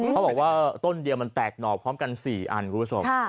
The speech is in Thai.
เขาบอกว่าต้นเดียวมันแตกหน่อพร้อมกัน๔อันคุณผู้ชม